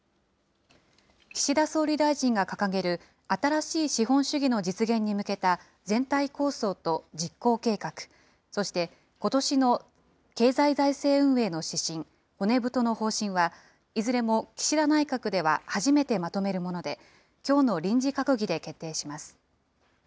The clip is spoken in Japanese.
岸田総理大臣が掲げる、新しい資本主義の実現に向けた全体構想と実行計画、そしてことしの経済財政運営の指針、骨太の方針は、いずれも岸田内閣では初めてまとめるもので、きょうの臨時閣議で決定します。